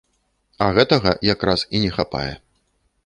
А гэтага якраз і не хапае.